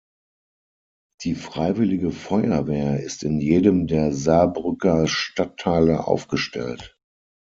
Die Freiwillige Feuerwehr ist in jedem der Saarbrücker Stadtteile aufgestellt.